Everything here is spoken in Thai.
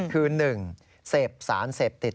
คือ๑เสพสารเสพติด